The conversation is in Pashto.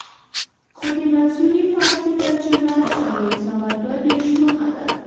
خو د منصوري فارسي ترجمه څلور سوه دوه دېرش مخه ده.